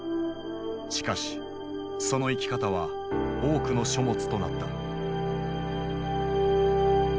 しかしその生き方は多くの書物となった。